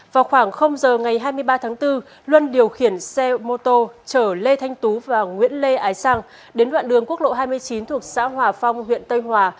vào khoảng giờ ngày hai mươi ba tháng bốn luân điều khiển xe mô tô chở lê thanh tú và nguyễn lê ái sang đến đoạn đường quốc lộ hai mươi chín thuộc xã hòa phong huyện tây hòa